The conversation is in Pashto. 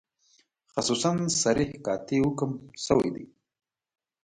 خصوصاً صریح قاطع حکم شوی دی.